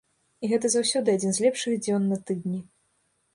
І гэта заўсёды адзін з лепшых дзён на тыдні.